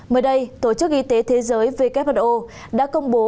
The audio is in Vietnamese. mới đây tổ chức y tế thế giới who đã công bố